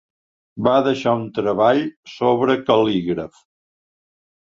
Va deixar un treball sobre cal·lígraf.